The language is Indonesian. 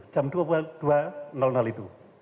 jam dua puluh dua itu